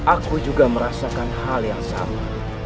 aku juga merasakan hal yang sama